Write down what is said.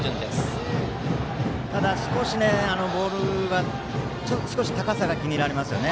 ただ、少しボールの高さが気になりますよね。